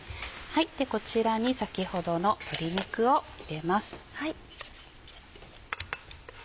こちらに先ほどの鶏肉を入れます。